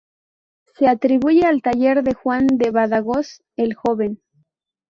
Se atribuye al taller de Juan de Badajoz, el joven.